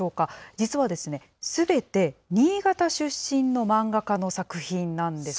実は、すべて新潟出身の漫画家の作品なんです。